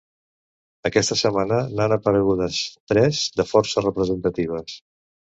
Aquesta setmana n’han aparegudes tres de força representatives.